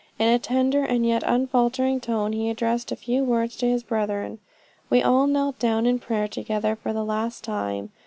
In a tender and yet unfaltering tone he addressed a few words to his brethren. We all knelt down in prayer together for the last time.